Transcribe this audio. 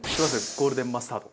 ゴールデンマスタード。